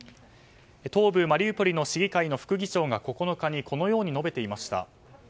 東部マリウポリの市議会の副議長が９日にこのように述べていました。